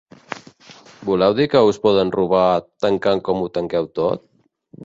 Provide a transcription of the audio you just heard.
Voleu dir que us poden robar, tancant com ho tanqueu tot?